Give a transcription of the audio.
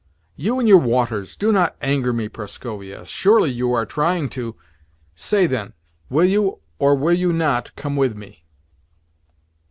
"You and your waters! Do not anger me, Prascovia. Surely you are trying to? Say, then: will you, or will you not, come with me?"